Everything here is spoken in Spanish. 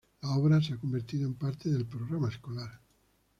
La obra se ha convertido en parte del programa escolar.